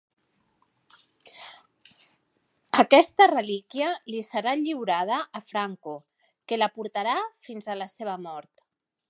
Aquesta relíquia li serà lliurada a Franco, que la portarà fins a la seva mort.